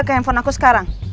ke handphone aku sekarang